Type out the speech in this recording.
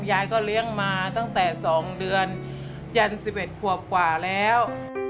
ยายก็เลี้ยงมาตั้งแต่๒เดือนจันทร์๑๑ขวบกว่าแล้ว